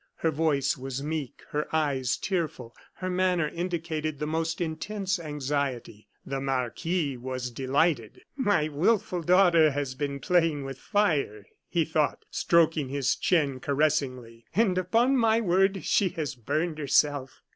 Her voice was meek, her eyes tearful; her manner indicated the most intense anxiety. The marquis was delighted. "My wilful daughter has been playing with fire," he thought, stroking his chin caressingly; "and upon my word, she has burned herself."